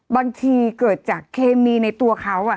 มันติดคุกออกไปออกมาได้สองเดือน